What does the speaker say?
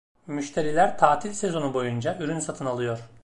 Müşteriler tatil sezonu boyunca ürün satın alıyor.